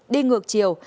đi ngược chiều